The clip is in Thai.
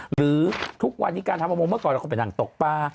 หรือทุกวันนี้การทำประมงเมื่อก่อนเราก็ไปนั่งตกปลา